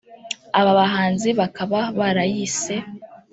aba bahanzi bakaba barayise